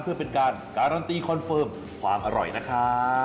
เพื่อเป็นการการันตีคอนเฟิร์มความอร่อยนะครับ